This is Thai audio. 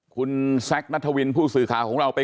คุณแซคนัทวินผู้สื่อค่าของเรานะครับ